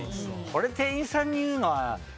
これ、店員さんに言うのは。